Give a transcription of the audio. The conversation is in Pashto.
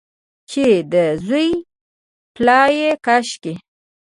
چې د زوی پلا یې کاشکي،